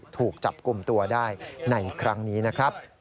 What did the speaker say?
ถูกจับกลุ่มตัวได้ในครั้งนี้นะครับ